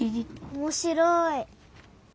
おもしろい！